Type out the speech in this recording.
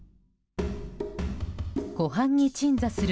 湖畔に鎮座する